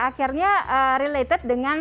akhirnya related dengan